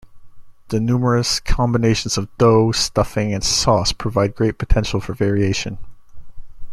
The numerous combinations of dough, stuffing, and sauce provide a great potential for variation.